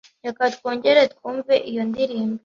Reka twongere twumve iyo ndirimbo.